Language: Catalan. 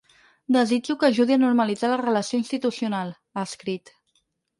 Desitjo que ajudi a normalitzar la relació institucional, ha escrit.